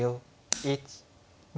１２。